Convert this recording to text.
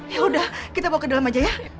yaudah kita bawa ke dalam aja ya